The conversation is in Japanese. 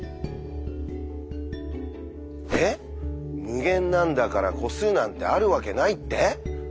「無限なんだから個数なんてあるわけない」って？